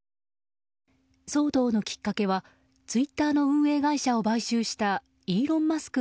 騒動のきっかけはツイッターの運営会社を買収したイーロン・マスク